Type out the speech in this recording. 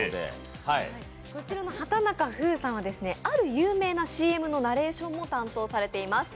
こちらの畑中ふうさんは、ある有名なＣＭのナレーションも担当されています。